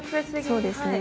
そうですね。